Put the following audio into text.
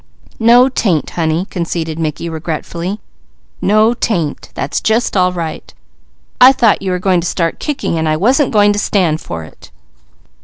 "No 'tain't honey," conceded Mickey regretfully. "No 'tain't! That's just all right. I thought you were going to start kicking, and I wasn't going to stand for it.